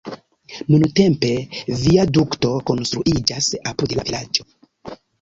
Nuntempe viadukto konstruiĝas apud la vilaĝo.